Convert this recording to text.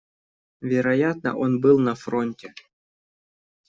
Вероятно, он был на фронте.